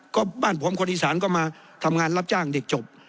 ก็บ้านผมคนอีสานก็มาทำงานรับจ้างเด็กจบ